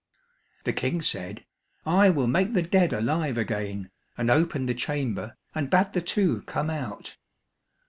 The King said, "I will make the dead alive again," and opened the chamber, and bade the two come out.